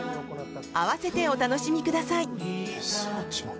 併せてお楽しみください。